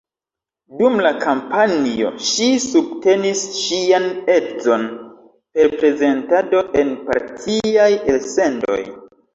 Dum la kampanjo ŝi subtenis ŝian edzon per prezentado en partiaj elsendoj.